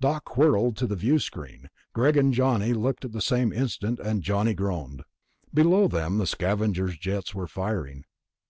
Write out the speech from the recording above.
Doc whirled to the viewscreen. Greg and Johnny looked at the same instant, and Johnny groaned. Below them, the Scavenger's jets were flaring.